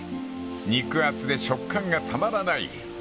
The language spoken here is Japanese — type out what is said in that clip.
［肉厚で食感がたまらない］